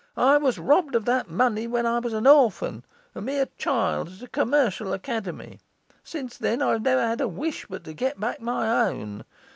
I was robbed of that money when I was an orphan, a mere child, at a commercial academy. Since then, I've never had a wish but to get back my own.